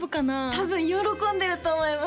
多分喜んでると思います